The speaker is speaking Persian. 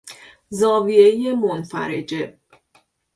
زاویهی منفرجه